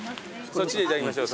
そっちでいただきましょう